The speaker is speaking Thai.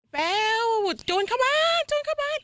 แป้วจูนเข้ามาจูนเข้าบ้าน